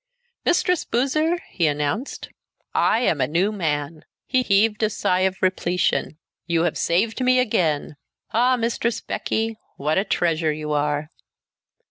"Mistress Boozer," he announced, "I am a new man." He heaved a sigh of repletion. "You have saved me again. Ah! Mistress Becky, what a treasure you are!"